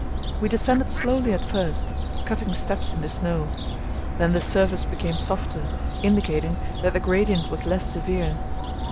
We descended slowly at first, cutting steps in the snow; then the surface became softer, indicating that the gradient was less severe.